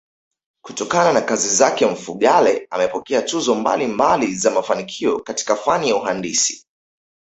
Kutokana na kazi zake Mfugale amepokea tuzo mbalimbai za mafanikio katika fani ya uhandisi